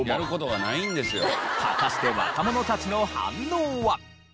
果たして若者たちの反応は？